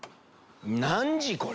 何時これ？